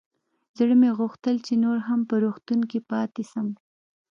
زړه مې غوښتل چې نور هم په روغتون کښې پاته سم.